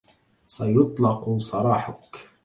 سيُطلَق سراحك.